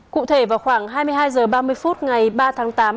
cụ thể vào khoảng hai mươi hai h ba mươi phút ngày ba tháng tám